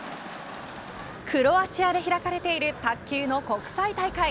クロアチアで開かれている卓球の国際大会。